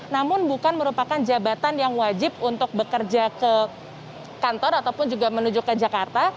namun bukan merupakan jabatan yang wajib untuk bekerja ke kantor ataupun juga menuju ke jakarta